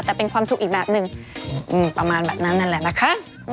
แต่เป็นความสุขอีกแบบหนึ่งประมาณแบบนั้นนั่นแหละนะคะ